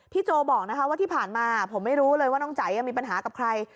โจบอกนะคะว่าที่ผ่านมาผมไม่รู้เลยว่าน้องใจมีปัญหากับใคร